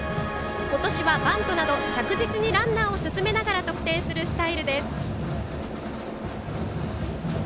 今年はバントなど着実にランナーを進めながら得点するスタイルです。